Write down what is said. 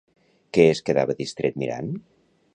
Què es quedava distret mirant?